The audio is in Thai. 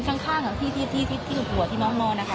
ก็ยืนข้างข้างชีวิตตัวที่น้องยอมนะคะ